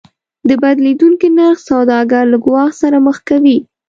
د بدلیدونکي نرخ سوداګر له ګواښ سره مخ کوي.